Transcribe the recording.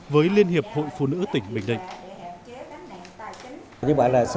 với liên hiệp hội phụ nữ tỉnh bình định